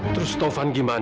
terus taufan gimana fadl